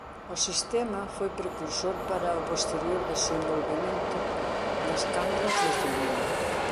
O sistema foi precursor para o posterior desenvolvemento das cámaras de cinema.